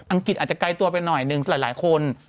กฤษอาจจะไกลตัวไปหน่อยหนึ่งหลายคน